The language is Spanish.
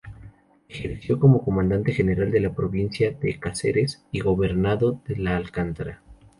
Ejerció como Comandante General de la provincia de Cáceres y Gobernado de la Alcántara.